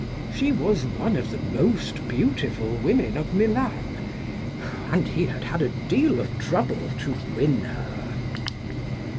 ... She was one of the most beautiful women of Milan, and he had had a deal of trouble to win her.